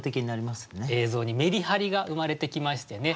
映像にメリハリが生まれてきましてね